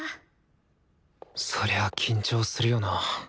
そりゃあ緊張するよな。